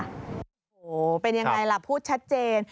โหเป็นอย่างไรล่ะพูดชัดเจน